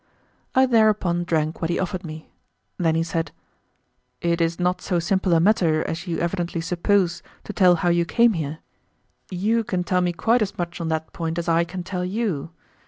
I thereupon drank what he offered me. Then he said, "It is not so simple a matter as you evidently suppose to tell you how you came here. You can tell me quite as much on that point as I can tell you.